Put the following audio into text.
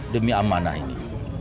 demi amanah ini